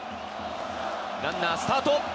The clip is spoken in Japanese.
ランナースタート。